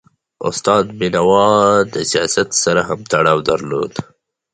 استاد بینوا د سیاست سره هم تړاو درلود.